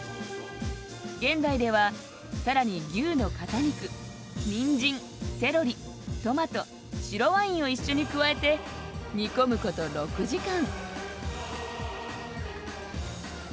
現代ではさらに牛の肩肉ニンジンセロリトマト白ワインを一緒に加えて煮込むこと６時間。